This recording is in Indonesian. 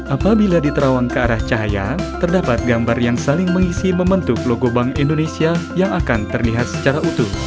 apabila diterawang ke arah cahaya terdapat gambar yang saling mengisi membentuk logo bank indonesia yang akan terlihat secara utuh